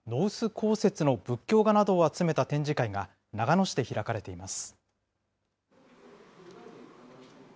香雪の仏教画などを集めた展示会が、長野市で開かれています。